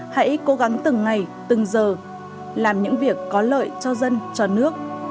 hãy cố gắng từng ngày từng giờ làm những việc có lợi cho dân cho nước